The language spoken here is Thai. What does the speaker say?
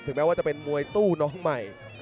แม้ว่าจะเป็นมวยตู้น้องใหม่